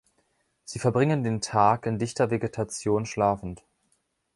Sie verbringen den Tag in dichter Vegetation schlafend.